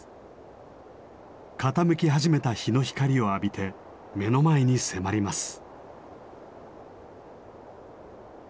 傾き始めた日の光を浴びて目の前に迫ります。